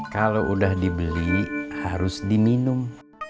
kalau udah dibeli harus diminum